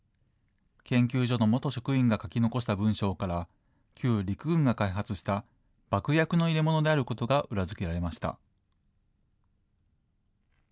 研究所の元職員が書き残した文章から、旧陸軍が開発した爆薬の入れ物であることが裏付けられました。